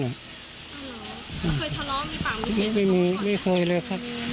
เหรอเจอทะเลาะมีปักไม่เคยเลยครับ